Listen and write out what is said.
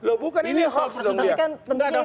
loh bukan ini hoax dong ya